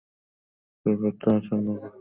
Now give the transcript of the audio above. তারপর তা আচ্ছন্ন করে ফেলল কী।